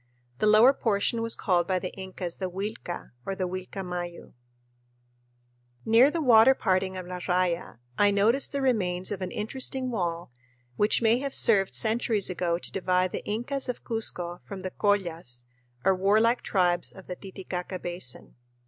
The lower portion was called by the Incas the Uilca or the Uilcamayu. Near the water parting of La Raya I noticed the remains of an interesting wall which may have served centuries ago to divide the Incas of Cuzco from the Collas or warlike tribes of the Titicaca Basin.